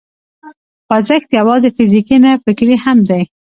خوځښت یوازې فزیکي نه، فکري هم دی.